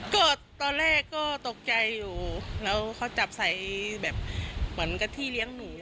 ก็ตอนแรกก็ตกใจอยู่แล้วเขาจับใส่แบบเหมือนกับที่เลี้ยงหนู